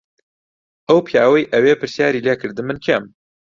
ئەو پیاوەی ئەوێ پرسیاری لێ کردم من کێم.